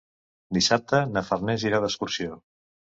Dissabte na Farners irà d'excursió.